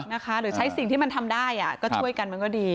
หรือใช้สิ่งที่มันทำได้ก็ช่วยกันมันก็ดี